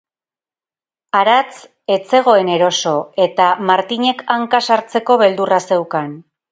Aratz ez zegoen eroso, eta Martinek hanka sartzeko beldurra zeukan.